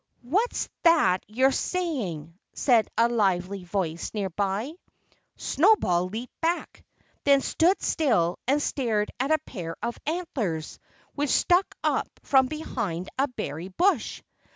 "What's that you're saying?" said a lively voice near by. Snowball leaped back; then stood still and stared at a pair of antlers which stuck up from behind a berry bush.